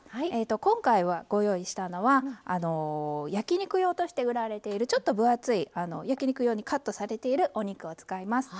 今回ご用意したのは焼き肉用として売られているちょっと分厚い焼き肉用にカットされているお肉を使います。